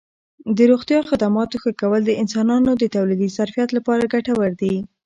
د روغتیا خدماتو ښه کول د انسانانو د تولیدي ظرفیت لپاره ګټور دي.